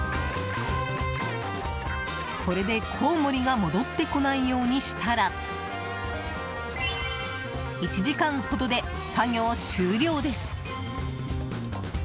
これで、コウモリが戻ってこないようにしたら１時間ほどで作業終了です。